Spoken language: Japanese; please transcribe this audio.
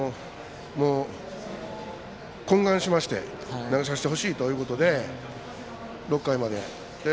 懇願しまして投げさせてほしいということで６回まで。